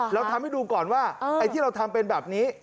เราทำให้ดูก่อนว่าไอ้ที่เราทำเป็นแบบนี้